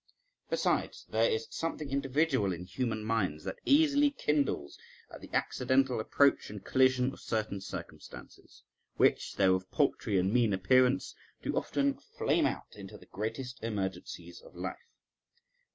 Besides, there is something individual in human minds that easily kindles at the accidental approach and collision of certain circumstances, which, though of paltry and mean appearance, do often flame out into the greatest emergencies of life.